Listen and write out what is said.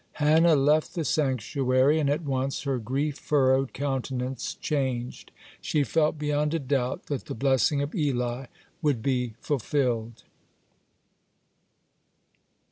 (11) Hannah left the sanctuary, and at once her grief furrowed countenance changes. She felt beyond a doubt that the blessing of Eli would be fulfilled.